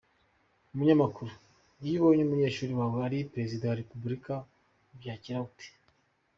Umunyamakuru: Iyo ubonye umunyeshuri wawe ari Perezida wa Repubulika ubyakira ute?.